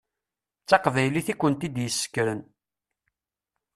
D taqbaylit i kent-id-yessekren.